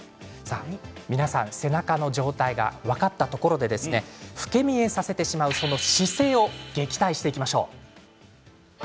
皆さん背中の状態が分かったところで老け見えさせてしまう姿勢を撃退していきましょう。